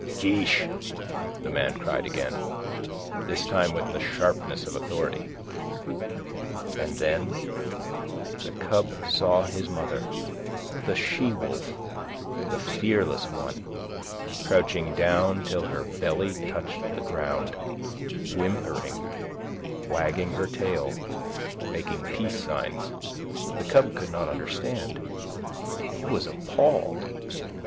"Kiche!" the man cried again, this time with sharpness and authority. And then the cub saw his mother, the she wolf, the fearless one, crouching down till her belly touched the ground, whimpering, wagging her tail, making peace signs. The cub could not understand. He was appalled.